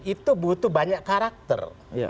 itu butuh banyak karakter